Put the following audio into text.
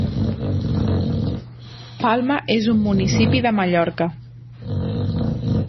Palma és un municipi de Mallorca.